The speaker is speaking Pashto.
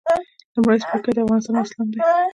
لومړی څپرکی افغانستان او اسلام دی.